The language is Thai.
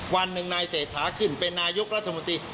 วันหนึ่งนายเศรษฐาขึ้นเป็นนายกรัฐมนตรี